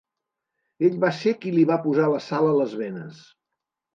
Ell va ser qui li va posar la sal a les venes.